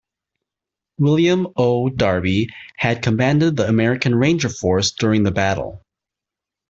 William O. Darby had commanded the American Ranger Force during the battle.